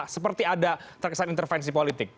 seperti ada terkesan intervensi politik